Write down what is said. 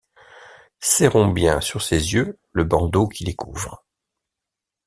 Serrons bien sur ses yeux le bandeau qui les couvre.